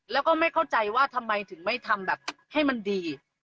แล้วก็ไม่เข้าใจว่าทำไมถึงไม่ทำแบบให้มันดี